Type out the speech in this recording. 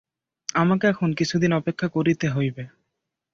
আমাকে এখন কিছুদিন অপেক্ষা করিতে হইবে।